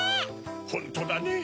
ホントだねぇ。